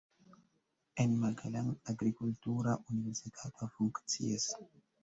En Magalang agrikultura universitato funkcias.